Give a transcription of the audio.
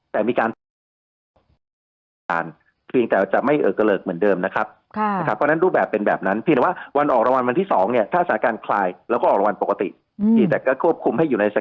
แต่มีการออกรวรรณที่ดูแลในระบบปิดเฉพาะแต่มีการออกรวรรณที่ดูแลในระบบปิดเฉพาะแต่มีการออกรวรรณที่ดูแลในระบบปิดเฉพาะ